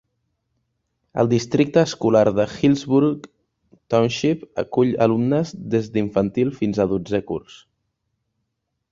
El Districte escolar de Hillsborough Township acull alumnes des d'infantil fins al dotzè curs.